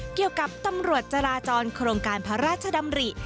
เกี่ยวกับตำรวจจราจรโครงการพระราชดำริ